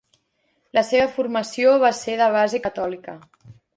La seva formació va ser de base catòlica.